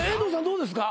どうですか？